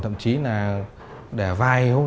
thậm chí là để vài hôm